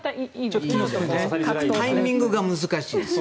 タイミングが難しい。